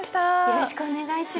よろしくお願いします。